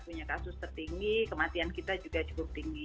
punya kasus tertinggi kematian kita juga cukup tinggi